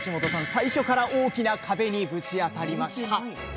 最初から大きな壁にぶち当たりました。